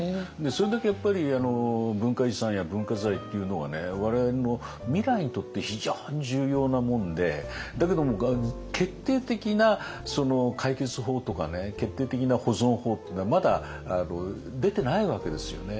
それだけやっぱり文化遺産や文化財っていうのが我々の未来にとって非常に重要なもんでだけども決定的な解決法とか決定的な保存法っていうのはまだ出てないわけですよね。